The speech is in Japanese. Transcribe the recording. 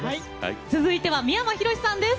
続いては三山ひろしさんです。